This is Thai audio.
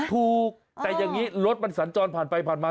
ถูกแต่อย่างนี้รถมันสัญจรผ่านไปผ่านมา